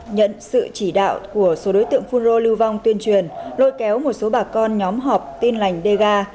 nhận sự chỉ đạo của số đối tượng phun rô lưu vong tuyên truyền lôi kéo một số bà con nhóm họp tin lành dga